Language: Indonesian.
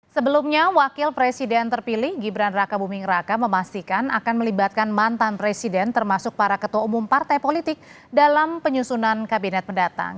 sebelumnya wakil presiden terpilih gibran raka buming raka memastikan akan melibatkan mantan presiden termasuk para ketua umum partai politik dalam penyusunan kabinet mendatang